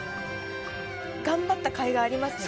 頑張ったかいがありますね。